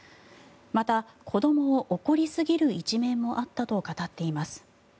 また、子どもを怒りすぎる一面もあったと語っています。